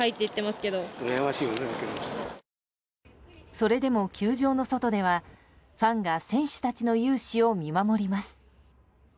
それでも球場の外ではファンが選手たちの雄姿を見守ります。